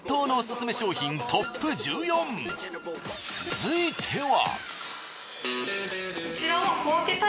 続いては。